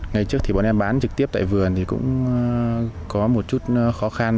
ngày trước thì bọn em bán trực tiếp tại vườn thì cũng có một chút khó khăn